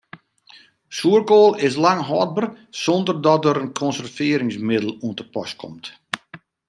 Soerkoal is lang hâldber sonder dat der in konservearringsmiddel oan te pas komt.